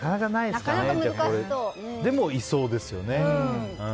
でも、いそうですよね。